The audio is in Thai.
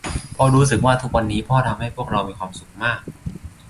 เพราะรู้สึกว่าทุกวันนี้พ่อทำให้พวกเรามีความสุขมาก